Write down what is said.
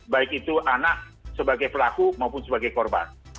baik itu anak sebagai pelaku maupun sebagai korban